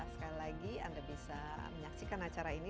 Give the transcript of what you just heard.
sekali lagi anda bisa menyaksikan acara ini